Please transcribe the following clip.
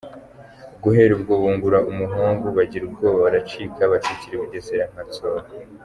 Guhera ubwo Bungura n’umuhungu bagira ubwoba baracika; bacikira i Bugesera kwa Nsoro.